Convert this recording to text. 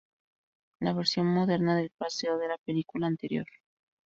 La versión moderna del "Fraseo" de la película anterior.